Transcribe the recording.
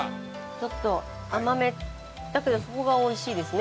ちょっと甘めだけどそこがおいしいですね。